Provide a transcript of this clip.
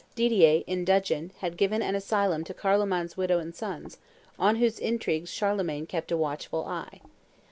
Didier, in dudgeon, had given an asylum to Carloman's widow and sons, on whose intrigues Charlemagne kept a watchful eye.